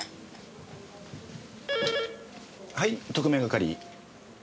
はい特命係。